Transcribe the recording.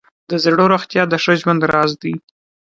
د زړه روغتیا د ښه ژوند راز دی.